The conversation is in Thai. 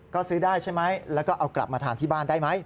ก็ซื้อได้ใช่ไหมแล้วก็เอากลับมาทานที่บ้านได้ไหม